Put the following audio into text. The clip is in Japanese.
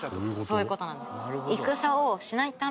そういう事なんです。